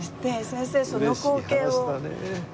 先生その光景を。